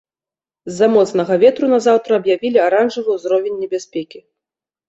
З-за моцнага ветру на заўтра аб'явілі аранжавы ўзровень небяспекі.